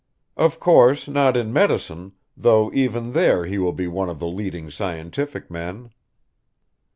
"Of course, not in medicine, though even there he will be one of the leading scientific men."